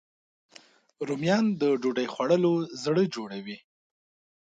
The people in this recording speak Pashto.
رومیان د ډوډۍ خوړلو زړه جوړوي